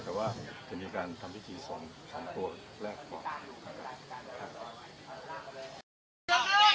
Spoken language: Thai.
กล้ามวนหาทางแกน้อย